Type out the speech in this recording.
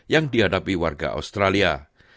yang dihadapi warga australia